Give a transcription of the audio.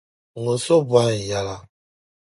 Ŋuni n-so bohi n yɛla la?